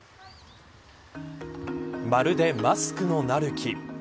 まるでマスクのなる木。